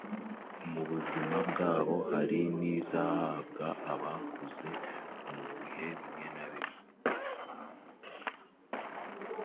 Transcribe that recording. mubuzima bwabo hari n’izihabwa abakuze mu bihe bimwe na bimwe.